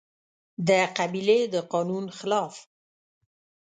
د قبيلې د قانون خلاف